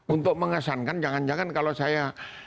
untuk mengesankan jangan jangan kalau saya